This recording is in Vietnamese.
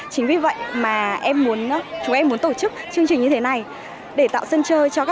chính vì vậy mà chúng em muốn tổ chức chương trình như thế này để tạo sân chơi cho các em